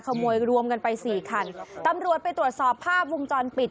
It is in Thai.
ขโมยรวมกันไปสี่คันตำรวจไปตรวจสอบภาพวงจรปิด